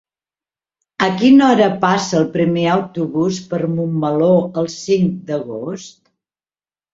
A quina hora passa el primer autobús per Montmeló el cinc d'agost?